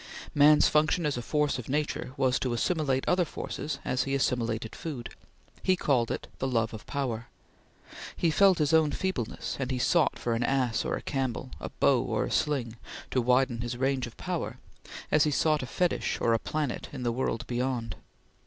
Man's function as a force of nature was to assimilate other forces as he assimilated food. He called it the love of power. He felt his own feebleness, and he sought for an ass or a camel, a bow or a sling, to widen his range of power, as he sought fetish or a planet in the world beyond.